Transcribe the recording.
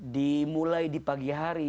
dimulai di pagi hari